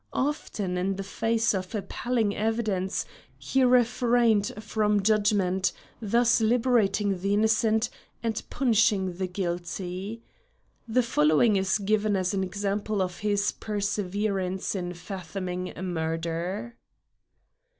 Often in the face of appalling evidence he refrained from judgment, thus liberating the innocent and punishing the guilty. The following is given as an example of his perseverance in fathoming a murder.